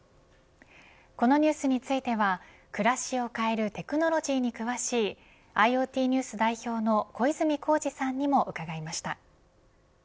このニュースについては暮らしを変えるテクノロジーに詳しいＩｏＴＮＥＷＳ代表の小泉耕二さんにも伺いました。